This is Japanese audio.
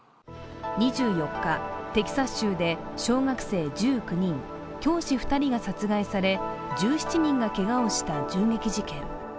２４日、テキサス州で小学生１９人、教師２人が殺害され、１７人がけがをした銃撃事件。